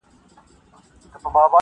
• هر نسل يې يادوي بيا بيا..